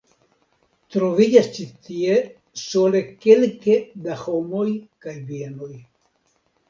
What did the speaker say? Troviĝas ĉi tie sole kelke da domoj kaj bienoj.